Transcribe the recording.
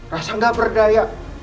rasa gak berdaya